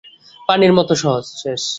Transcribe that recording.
পানির মতো সহজ।